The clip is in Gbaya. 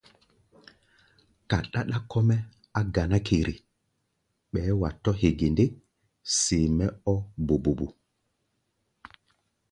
Ka ɗáɗá kɔ́-mɛ́ á ganá kere, bɛɛ́ wa tɔ̧́ hee ge ndé, see-mɛ́ ɔ́ bobobo.